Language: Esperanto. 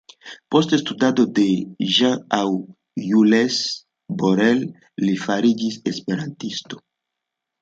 Post studado de Jean aŭ Jules Borel, li fariĝis esperantisto.